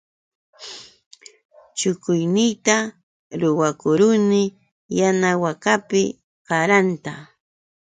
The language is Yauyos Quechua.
Shukuyniyta ruwakuruni yana wakapi qaranta.